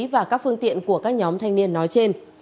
và các phương tiện của các nhóm thanh niên nói trên